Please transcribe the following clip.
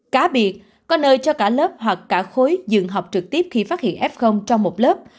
cá biệt có nơi cho cả lớp hoặc cả khối dừng học trực tiếp khi phát hiện f trong một lớp